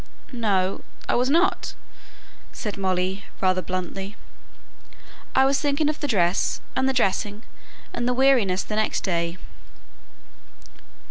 "No, I was not," said Molly, rather bluntly. "I was thinking of the dress, and the dressing, and the weariness the next day."